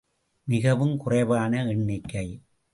மிகவும் குறைவான எண்ணிக்கை.